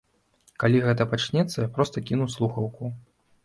Калі гэта пачнецца, я проста кіну слухаўку.